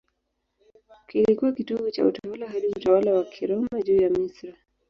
Kilikuwa kitovu cha utawala hadi utawala wa Kiroma juu ya Misri.